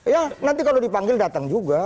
ya nanti kalau dipanggil datang juga